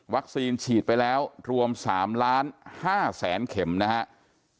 วัคซีนฉีดไปแล้วรวม๓๕๐๐๐๐๐เข็มนะฮะ